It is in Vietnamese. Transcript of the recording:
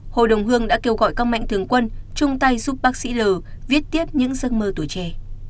hồ đồng hương đã kêu gọi các mạnh thường quân chung tay giúp bác sĩ l viết tiếp những giấc mơ tuổi trẻ